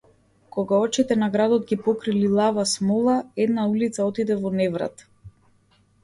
Кога очите на градот ги покри лилава смола една улица отиде во неврат.